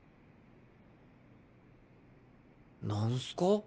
何すか？